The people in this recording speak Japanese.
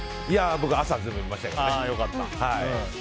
僕、全部見ましたけどね。